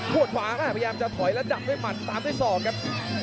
หวดขวางพยายามจะถอยและตับให้หมัดตามด้วยศอกครับ